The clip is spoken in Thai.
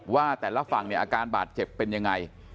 ว่าแต่ละฝั่งเนี่ยอาการบาดเจ็บเป็นยังไง